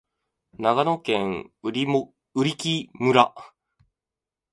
長野県売木村